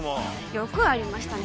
よくありましたね